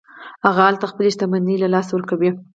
هغه هلته خپله شتمني له لاسه ورکوي.